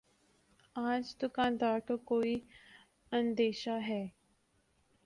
آج دکان دار کو کوئی اندیشہ ہے